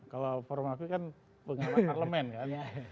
kalau formapi kan pengamat parlemen kan